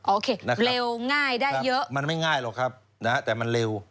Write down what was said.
อ๋อโอเคเร็วง่ายได้เยอะนะครับมันไม่ง่ายหรอกครับแต่มันเร็ว